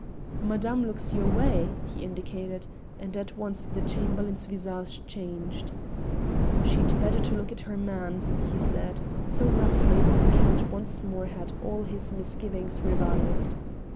"Madame looks your way," he indicated, and at once the Chamberlain's visage changed. "She'd be better to look to her man," he said, so roughly that the Count once more had all his misgivings revived.